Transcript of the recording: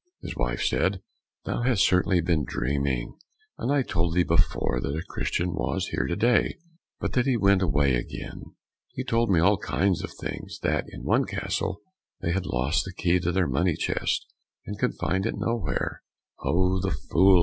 His wife said, "Thou hast certainly been dreaming, and I told thee before that a Christian was here to day, but that he went away again. He told me all kinds of things that in one castle they had lost the key of their money chest, and could find it nowhere." "Oh! the fools!"